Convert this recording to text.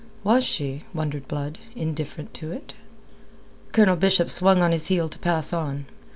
Was she, wondered Blood, indifferent to it? Colonel Bishop swung on his heel to pass on.